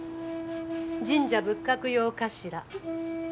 神社仏閣用かしら。